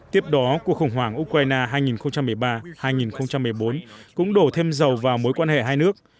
tiếp đó cuộc khủng hoảng ukraine hai nghìn một mươi ba hai nghìn một mươi bốn cũng đổ thêm dầu vào mối quan hệ hai nước